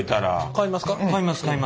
買いますか？